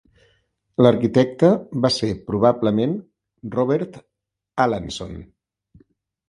L'arquitecte va ser probablement Robert Allanson.